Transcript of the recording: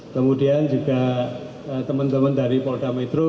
kemudian juga teman teman dari polda metro